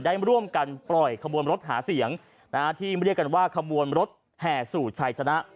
ได้ร่วมกันปล่อยขบวนรถหาเสียงที่เรียกกันว่าขบวนรถแห่สู่ชัยชนะ